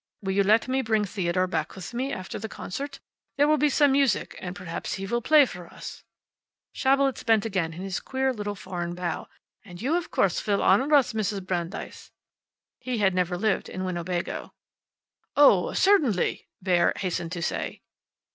Will you let me bring Theodore back with me after the concert? There will be some music, and perhaps he will play for us." Schabelitz bent again in his queer little foreign bow. "And you, of course, will honor us, Mrs. Brandeis." He had never lived in Winnebago. "Oh, certainly," Bauer hastened to say.